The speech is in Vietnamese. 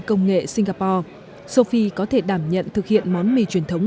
công nghệ singapore sophie có thể đảm nhận thực hiện món mì truyền thống